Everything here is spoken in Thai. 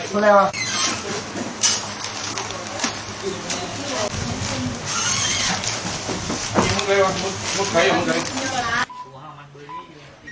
ของประเทศกาลอันตรี